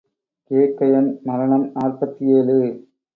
கேகயன் மரணம் நாற்பத்தேழு.